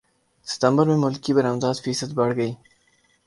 ستمبر میں ملکی برمدات فیصد بڑھ گئیں